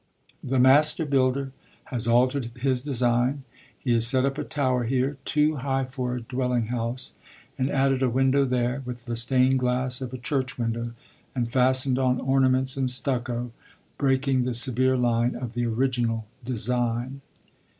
The master builder has altered his design, he has set up a tower here, 'too high for a dwelling house,' and added a window there, with the stained glass of a church window, and fastened on ornaments in stucco, breaking the severe line of the original design.